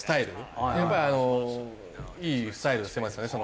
やっぱりいいスタイルをしていますよね。